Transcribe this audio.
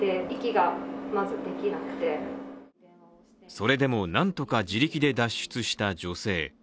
それでもなんとか自力で脱出した女性。